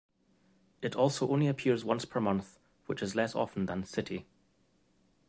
It also only appears once per month, which is less often than "City".